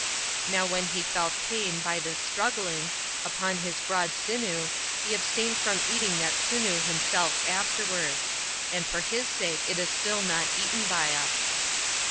Now when he felt pain, by this struggling, upon his broad sinew, he abstained from eating that sinew himself afterward; and for his sake it is still not eaten by us.